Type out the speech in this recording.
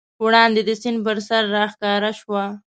وړاندې د سیند پر سر راښکاره شوه.